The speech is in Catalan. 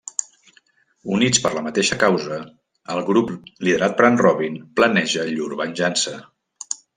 Units per la mateixa causa, el grup liderat per en Robin planeja llur venjança.